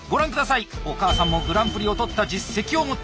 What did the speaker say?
お母さんもグランプリを取った実績を持っています。